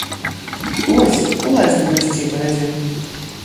Вось, у лазню гасцей павязем.